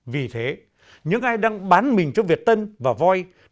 vì thế những ai đang bán mình cho việt tân và voi